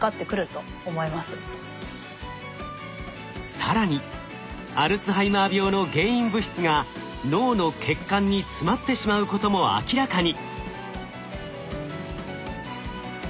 更にアルツハイマー病の原因物質が脳の血管に詰まってしまうことも明らかに。